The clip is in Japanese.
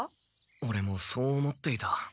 オレもそう思っていた。